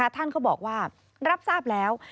ท่านก็บอกว่ารับทราบแล้ว